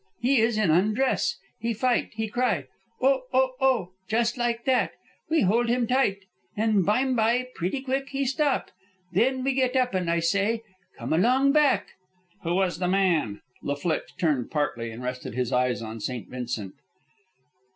He is in undress. He fight. He cry, 'Oh! Oh! Oh!' just like that. We hold him tight, and bime by pretty quick, he stop. Then we get up, and I say, 'Come along back.'" "Who was the man?" La Flitche turned partly, and rested his eyes on St. Vincent.